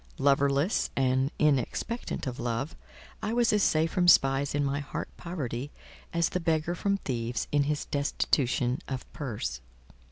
Loverless and inexpectant of love, I was as safe from spies in my heart poverty, as the beggar from thieves in his destitution of purse.